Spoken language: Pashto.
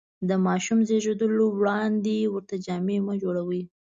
د ماشوم زېږېدلو وړاندې ورته جامې مه جوړوئ.